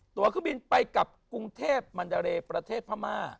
ตัวเครื่องบินไปกับกรุงเทพมันดาเรย์ประเทศพม่า